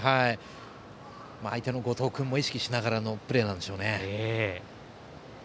相手の後藤君も意識しながらのプレーなんでしょうね。